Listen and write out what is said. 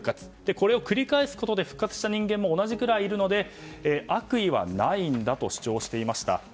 これを繰り返すことで復活した人間も同じぐらいいるので悪意はないんだと主張していました。